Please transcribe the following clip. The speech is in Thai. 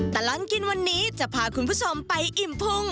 ตลอดกินวันนี้จะพาคุณผู้ชมไปอิ่มพุง